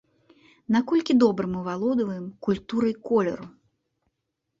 Наколькі добра мы валодаем культурай колеру?